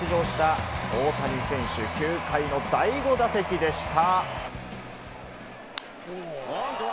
２番・指名打者で出場した大谷選手、９回の第５打席でした。